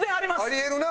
あり得るな。